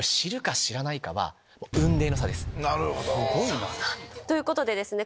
すごいな。ということでですね